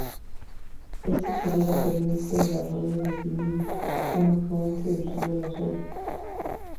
Esta chorrera pertenece al arroyo de Pinilla, un afluente del río Lozoya.